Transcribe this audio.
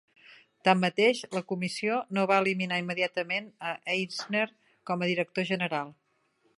Tanmateix, la comissió no va eliminar immediatament a Eisner com a director general